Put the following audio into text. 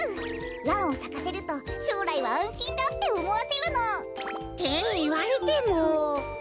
ランをさかせるとしょうらいはあんしんだっておもわせるの。っていわれても。